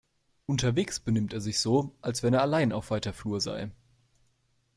Unterwegs benimmt er sich so, als wenn er allein auf weiter Flur sei.